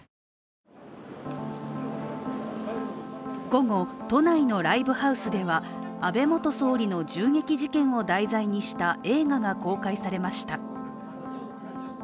午後、都内のライブハウスでは安倍元総理の銃撃事件を題材にした映画が公開されました。